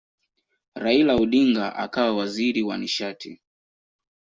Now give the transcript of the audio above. Raila Odinga akawa waziri wa nishati.